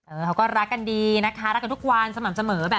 เขาก็รักกันดีนะคะรักกันทุกวันสม่ำเสมอแบบ